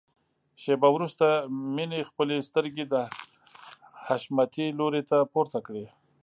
شېبه وروسته مينې خپلې سترګې د حشمتي لوري ته پورته کړې.